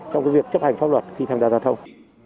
trong việc chấp hành pháp luật khi tham gia giao thông